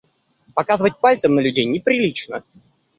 Показывать пальцем на людей неприлично!